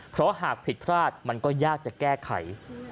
เพราะหากผิดพลาดมันก็ยากจะแก้ไข